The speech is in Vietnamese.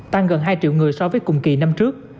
tăng gần hai triệu người so với cùng kỳ năm trước